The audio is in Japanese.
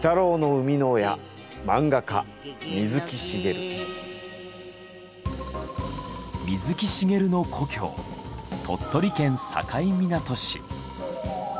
水木しげるの故郷鳥取県境港市。